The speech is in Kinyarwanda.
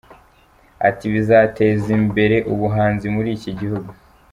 Ati “Bizateza imbere ubuhanzi muri iki gihugu.